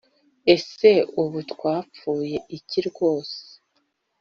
Ese ubu twapfuye iki rwose